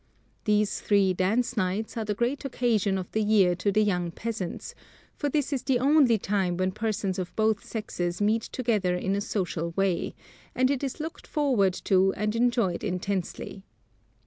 These three dance nights are the great occasion of the year to the young peasants, for this is the only time when persons of both sexes meet together in a social way, and it is long looked forward to and enjoyed intensely.